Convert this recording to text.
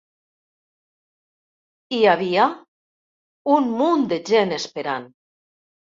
Hi havia un munt de gent esperant.